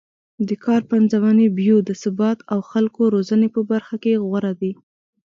د کار پنځونې، بیو د ثبات او خلکو روزنې په برخه کې غوره دی